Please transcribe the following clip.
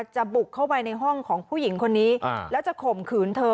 บุกเข้าไปในห้องของผู้หญิงคนนี้แล้วจะข่มขืนเธอ